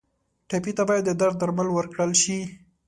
ټپي ته باید د درد درمل ورکړل شي.